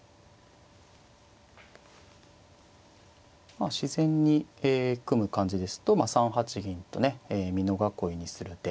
まあ自然に組む感じですと３八銀とね美濃囲いにする手。